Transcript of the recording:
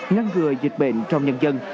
ngăn ngừa dịch bệnh trong nhân dân